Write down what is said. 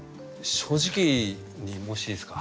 正直に申していいですか？